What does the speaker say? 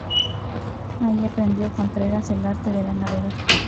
Allí aprendió Contreras el arte de la navegación.